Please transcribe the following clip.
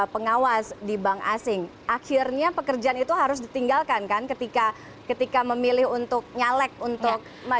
pengawas di bank asing akhirnya pekerjaan itu harus ditinggalkan kan ketika ketika memilih untuk nyalek untuk